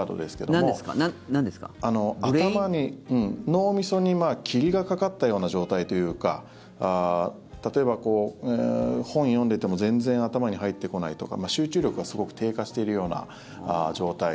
脳みそに霧がかかったような状態というか例えば、本読んでても全然頭に入ってこないとか集中力がすごく低下しているような状態。